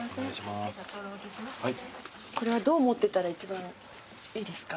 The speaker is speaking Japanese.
これはどう持ってたら一番いいですか？